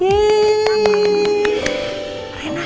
rena hebat loh